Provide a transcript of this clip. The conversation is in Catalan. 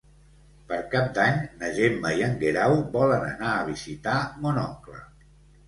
Per Cap d'Any na Gemma i en Guerau volen anar a visitar mon oncle.